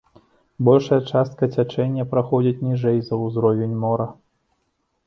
Большая частка цячэння праходзіць ніжэй за ўзровень мора.